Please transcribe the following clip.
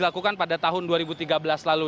dilakukan pada tahun dua ribu tiga belas lalu